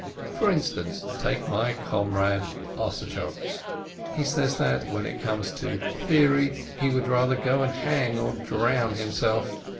For instance, take my com rade Ossadtchok; he says that, when it comes to "theory", he would rather go and hang or drown him self.